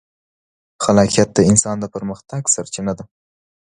خلاقیت د انسان د پرمختګ سرچینه ده.